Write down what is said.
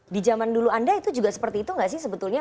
di zaman dulu anda itu juga seperti itu nggak sih sebetulnya